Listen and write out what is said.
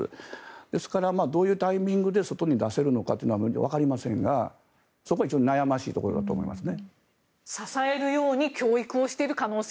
ですから、どういうタイミングで外に出せるのかっていうのはわかりませんがそこは一応、悩ましいところだと思いますね。